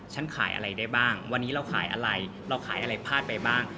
ขายอะไรได้บ้างวันนี้เราขายอะไรเราขายอะไรพลาดไปบ้าง